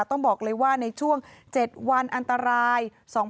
ต้องบอกเลยว่าในช่วง๗วันอันตราย